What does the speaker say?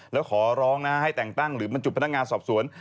แล้วขอร้องนะให้แต่งตั้งหรือบรรจุพนักงานสอบสวน